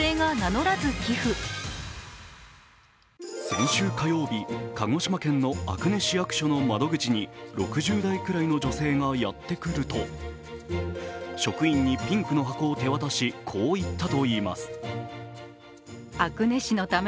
先週火曜日、鹿児島県の阿久根市役所の窓口に６０代ぐらいの女性がやってくると、職員にピンクの箱を手渡しこう言ったといいます。